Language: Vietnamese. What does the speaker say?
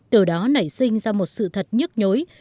từ đó nảy sinh ra một sự thật nhức nhối